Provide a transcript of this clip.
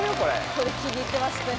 これ気に入ってますね。